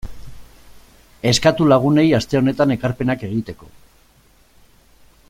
Eskatu lagunei aste honetan ekarpenak egiteko.